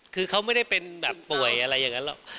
คือเขาไม่ได้เป็นแบบป่วยอะไรอย่างนั้นหรอก